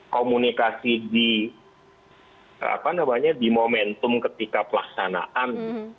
komunikasi di momentum ketika pelaksanaan